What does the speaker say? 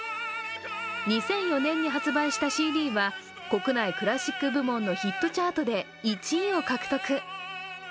２００４年に発売したＣＤは国内クラシック部門のヒットチャートで１位を獲得。